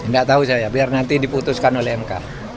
nggak tahu saya biar nanti diputuskan oleh mk